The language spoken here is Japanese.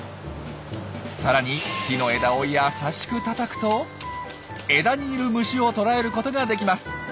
さらに木の枝を優しく叩くと枝にいる虫を捕らえることができます。